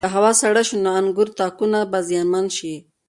که هوا سړه شي نو د انګورو تاکونه به زیانمن شي.